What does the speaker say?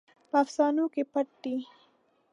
په افسانو کې پټ دی.